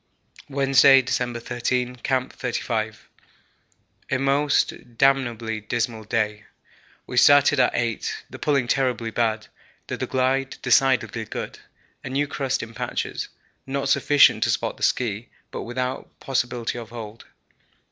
Wednesday, December 13. Camp 35. A most damnably dismal day. We started at eight the pulling terribly bad, though the glide decidedly good; a new crust in patches, not sufficient to support the ski, but without possibility of hold.